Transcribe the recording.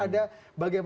jadi itu yang kita lihat